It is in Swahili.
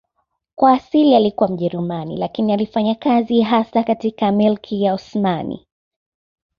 Kwa asili alikuwa Mjerumani lakini alifanya kazi hasa katika Milki ya Osmani.